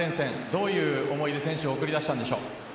どういう思いで選手を送り出したんでしょう。